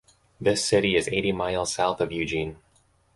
This city is eighty miles south of Eugene.